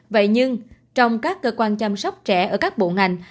vậy nhưng trong các cơ quan chăm sóc trẻ ở các bộ ngành